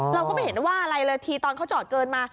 เราก็ไม่เห็นว่าอะไรเลยทีตอนเขาจอดเกินมา